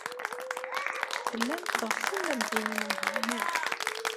Tellam teɣsem ad d-tinim uhu, naɣ?